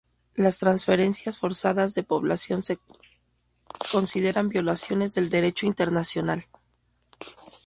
Las transferencias forzadas de población se consideran violaciones del derecho internacional.